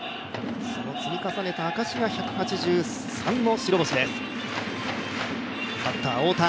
その積み重ねた証しが１８３の白星です。